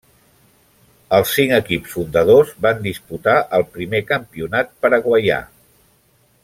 Els cinc equips fundadors van disputar el primer campionat paraguaià.